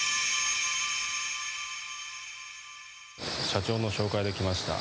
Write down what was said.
社長の紹介で来ました。